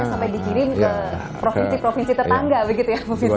sampai dikirim ke provinsi provinsi tetangga begitu ya bu visi